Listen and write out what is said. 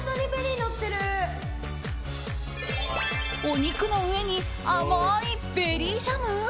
お肉の上に甘いベリージャム？